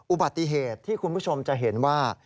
อุบัติเหตุที่คุณผู้ชมจะเห็นว่า